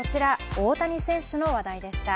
大谷選手の話題でした。